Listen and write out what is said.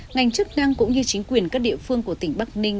ngành chức năng cũng như chính quyền các địa phương của tỉnh bắc ninh